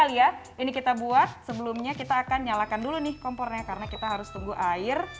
kali ya ini kita buat sebelumnya kita akan nyalakan dulu nih kompornya karena kita harus tunggu air